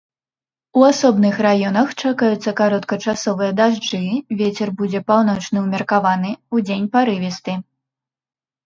У асобных раёнах чакаюцца кароткачасовыя дажджы, вецер будзе паўночны ўмеркаваны, удзень парывісты.